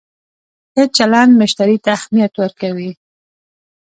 ښه چلند مشتری ته اهمیت ورکوي.